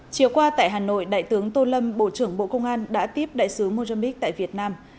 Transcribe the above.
chiều qua tại hà nội đại tướng tô lâm bộ trưởng bộ công an đã tiếp đại sứ mozambiqu tại việt nam